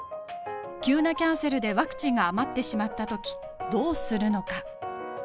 急なキャンセルでワクチンが余ってしまった時どうするのか？